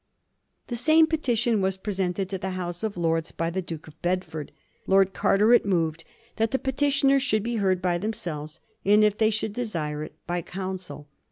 The same petition was presented to the House of Lords by the Duke of Bedford. Lord Carteret moved that the petitioners ahould be heard by themselves, and, if they should desire it, by counsel.